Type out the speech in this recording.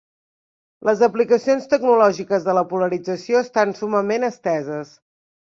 Les aplicacions tecnològiques de la polarització estan summament esteses.